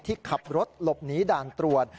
ที่ขับรถหลบหนีด่านตรวจ